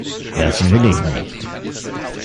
Das will ich nicht!